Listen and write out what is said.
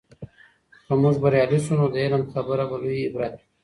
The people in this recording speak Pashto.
که موږ بریالي سو، نو د علم خبره به لوي عبرت وي.